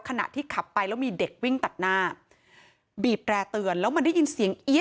ขณะที่ขับไปแล้วมีเด็กวิ่งตัดหน้าบีบแร่เตือนแล้วมันได้ยินเสียงเอี๊ย